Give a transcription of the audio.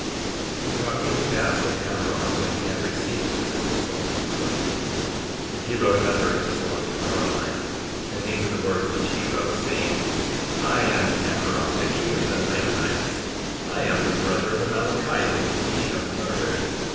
54:15 Now it came to pass that Ammoron, when he had received this epistle, was angry; and he wrote another epistle unto Moroni, and these are the words which he wrote, saying: 54:16 I am Ammoron, the king of the Lamanites; I am the brother of Amalickiah whom ye have murdered.